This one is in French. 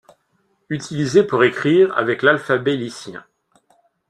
Utilisés pour écrire avec l’alphabet lycien.